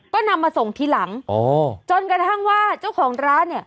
ก็นำมาส่งทีหลังอ๋อจนกระทั่งว่าเจ้าของร้านเนี่ย